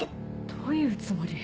どういうつもり？